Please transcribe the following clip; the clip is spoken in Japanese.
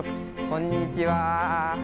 こんにちは。